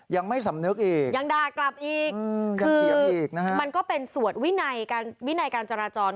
ยังไม่สำนึกอีกยังด่ากลับอีกคือมันก็เป็นส่วนวินัยการจราจร